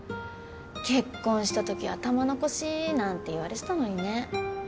結婚した時は玉の輿なんて言われてたのにね